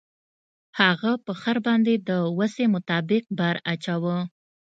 هغه په خر باندې د وسې مطابق بار اچاوه.